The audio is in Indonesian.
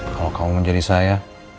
kalau kamu menjadi saya